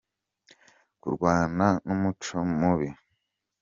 Kurwana n'umuco mubi.